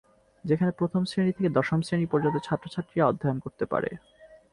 যেখানে প্রথম শ্রেণি থেকে দশম শ্রেণি পর্যন্ত ছাত্রছাত্রীরা অধ্যায়ন করতে পারে।